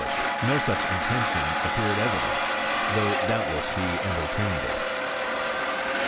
lished, no such intention appeared evident ; thougb doubtless he entertained it, 6.